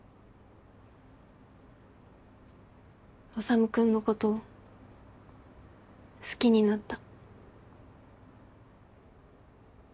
修君のこと好きになった。